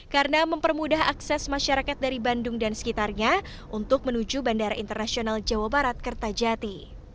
karena mempermudah akses masyarakat dari bandung dan sekitarnya untuk menuju bandara internasional jawa barat kertajati